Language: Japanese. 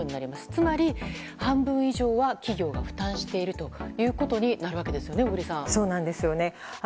つまり、半分以上は企業が負担しているということになるわけですよね、小栗さん。